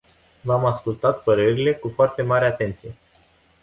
V-am ascultat părerile cu foarte mare atenție.